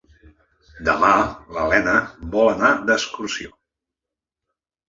Demà na Lena vol anar d'excursió.